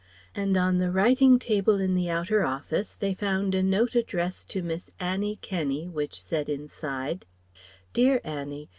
And on the writing table in the outer office they found a note addressed to Miss Annie Kenney, which said inside: "Dear Annie.